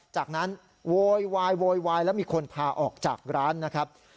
จากนั้นโวยวายโวยวายแล้วมีคนพาออกจากร้านนะครับ